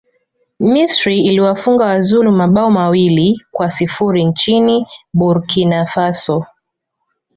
misri iliwafunga wazulu mabao mawili kwa sifuri nchini burkina faso